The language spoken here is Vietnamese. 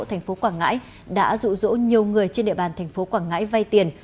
thành phố quảng ngãi đã rụ rỗ nhiều người trên địa bàn thành phố quảng ngãi vay tiền